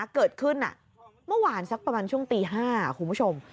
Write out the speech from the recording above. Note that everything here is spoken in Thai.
เกิดขึ้นเมื่อวานสักประมาณช่วงตี๕คุณผู้ชม